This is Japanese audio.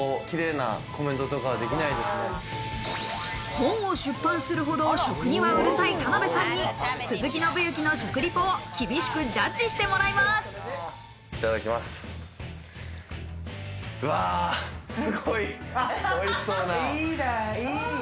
本を出版するほど食にはうるさい田辺さんに鈴木伸之の食リポを厳しくジャッジしてもらいます。